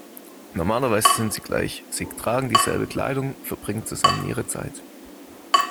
Normalerweise sind sie gleich: Sie tragen dieselbe Kleidung, verbringen zusammen ihre Zeit.